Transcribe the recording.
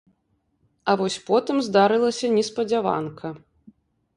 А вось потым здарылася неспадзяванка.